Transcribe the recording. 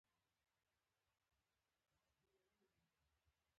دوی د آسترالیایي ډالر څخه استفاده کوي.